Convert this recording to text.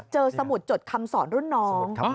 เจอสมุทรจดคำสอนรุ่นน้อง